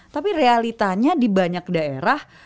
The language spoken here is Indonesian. tapi realitanya di banyak daerah